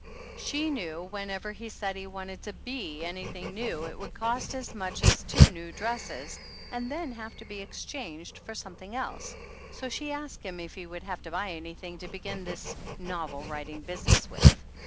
She knew whenever he said he wanted to be anything it would cost as much as two new dresses, and then have to be exchanged for something else, so she asked him if he would have to buy anything to begin this novel writing business with.